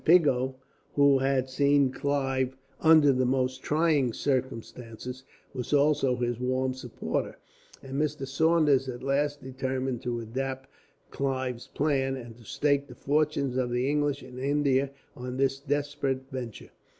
Pigot, who had seen Clive under the most trying circumstances, was also his warm supporter; and Mr. Saunders at last determined to adopt Clive's plan, and to stake the fortunes of the English in India on this desperate venture.